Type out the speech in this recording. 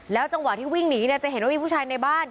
แล้วจังหวะวิ่งหนีจะเห็นว่าผู้หญิงในบ้าน